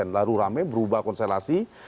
lalu rame berubah konstelasi